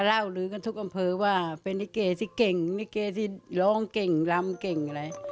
เล่าลือกันทุกอำเภอว่าเป็นลิเกที่เก่งลิเกที่ร้องเก่งลำเก่งอะไร